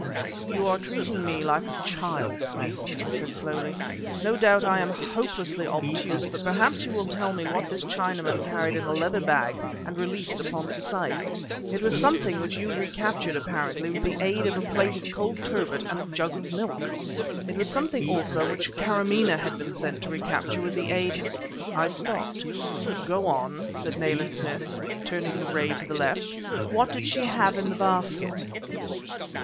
"You are treating me like a child, Smith," I said slowly. "No doubt I am hopelessly obtuse, but perhaps you will tell me what this Chinaman carried in a leather bag and released upon Forsyth. It was something which you recaptured, apparently with the aid of a plate of cold turbot and a jug of milk! It was something, also, which Karamaneh had been sent to recapture with the aid " I stopped. "Go on," said Nayland Smith, turning the ray to the left, "what did she have in the basket?"